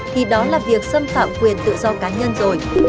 thì đó là việc xâm phạm quyền tự do cá nhân rồi